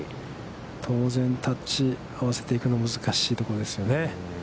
当然タッチ合わせていくの難しいとこですよね。